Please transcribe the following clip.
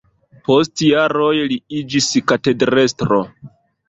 Post jaroj li iĝis katedrestro.